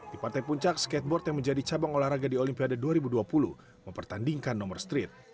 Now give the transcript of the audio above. di partai puncak skateboard yang menjadi cabang olahraga di olimpiade dua ribu dua puluh mempertandingkan nomor street